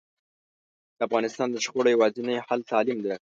د افغانستان د شخړو یواځینی حل تعلیم ده